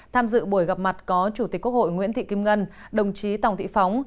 tham dự buổi gặp mặt có chủ tịch quốc hội nguyễn thị kim ngân đồng chí tòng thị phóng